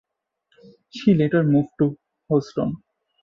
She later moved to Houston.